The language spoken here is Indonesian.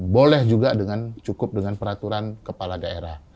boleh juga cukup dengan peraturan kepala daerah